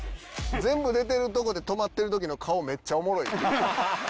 全部出てるとこで止まってる時の顔めっちゃおもろい。